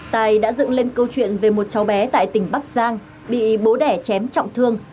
tài đã dựng lên câu chuyện về một cháu bé tại tỉnh bắc giang bị bố đẻ chém trọng thương